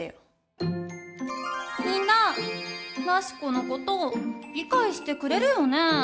みんななしこのこと理解してくれるよね？